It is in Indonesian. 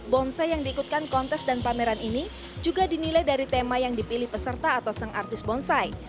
bonsai yang diikutkan kontes dan pameran ini juga dinilai dari tema yang dipilih peserta atau sang artis bonsai